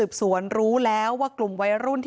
เหตุการณ์เกิดขึ้นแถวคลองแปดลำลูกกา